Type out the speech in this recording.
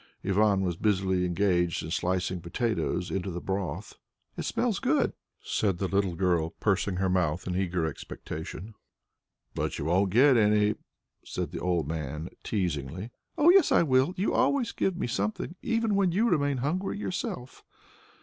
Ivan was busily engaged in slicing potatoes into the broth. "It smells good," said the little girl, pursing her mouth in eager expectation. "But you won't get any," said the old man teasingly. "Oh yes I will. You will always give me something, even when you remain hungry yourself."